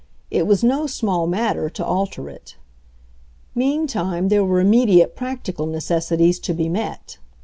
It was no small matter to alter it. Meantime, there were immediate practical necessities to be met.